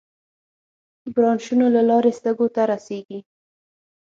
برانشونو له لارې سږو ته رسېږي.